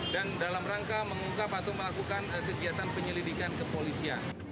dan dalam rangka mengungkap atau melakukan kegiatan penyelidikan ke polisi